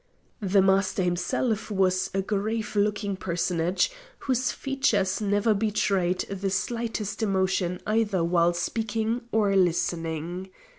The Master himself was a grave looking personage, whose features never betrayed the slightest emotion either while speaking or listening.